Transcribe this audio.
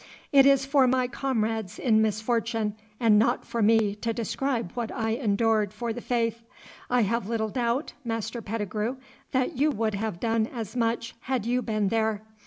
'It is for my comrades in misfortune and not for me to describe what I endured for the faith. I have little doubt, Master Pettigrue, that you would have done as much had you been there.